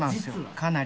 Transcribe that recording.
かなり。